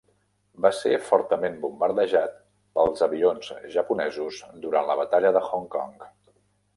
Va ser fortament bombardejat pels avions japonesos durant la batalla de Hong Kong.